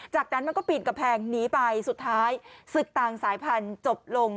จากนั้นมันก็ปีนกำแพงหนีไปสุดท้ายศึกต่างสายพันธุ์จบลง